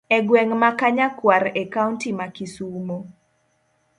Egweng' ma kanyakwar e kaunti ma kisumo.